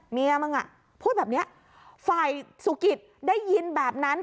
เมียมึงอ่ะพูดแบบเนี้ยฝ่ายสุกิตได้ยินแบบนั้น